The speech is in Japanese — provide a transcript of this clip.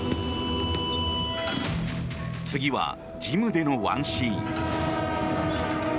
次はジムでのワンシーン。